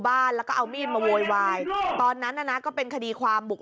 บ้านแล้วก็เอามีดมาโวยวายตอนนั้นน่ะนะก็เป็นคดีความบุก